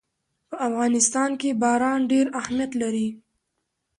په افغانستان کې باران ډېر اهمیت لري.